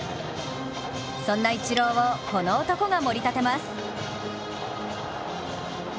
そんなイチローを、この男がもり立てます。